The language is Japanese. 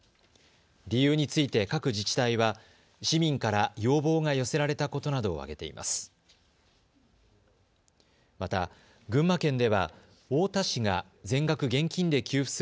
理由について各自治体は市民から要望が寄せられたことなどを挙げています。